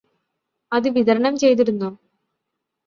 അത് വിതരണം ചെയ്തിരുന്നോ?